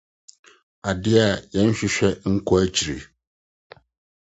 Ade a Wɔnhwɛ Nkɔ Akyiri.